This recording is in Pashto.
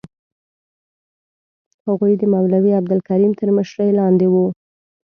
هغوی د مولوي عبدالکریم تر مشرۍ لاندې وو.